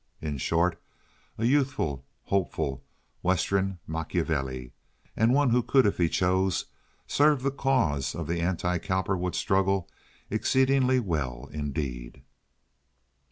In short, a youthful, hopeful Western Machiavelli, and one who could, if he chose, serve the cause of the anti Cowperwood struggle exceedingly well indeed.